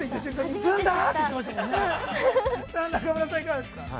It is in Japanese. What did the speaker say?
中村さん、いかがですか。